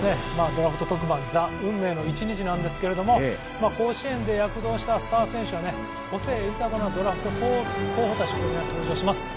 ドラフト特番「ＴＨＥ運命の１日」なんですけども、甲子園で躍動したスター選手や個性豊かなドラフト候補生も登場します。